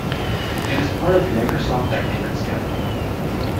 It is part of the Microsoft Dynamics family.